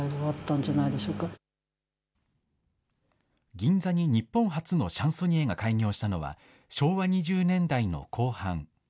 銀座に日本初のシャンソニエが開業したのは昭和２０年代の後半。